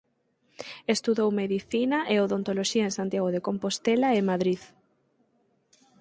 Estudou medicina e odontoloxía en Santiago de Compostela e Madrid.